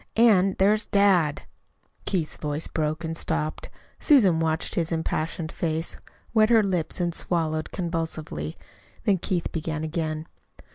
And there's dad." Keith's voice broke and stopped. Susan, watching his impassioned face, wet her lips and swallowed convulsively. Then Keith began again.